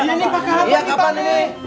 iya ini pak karavan kita nih